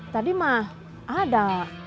tadi mah ada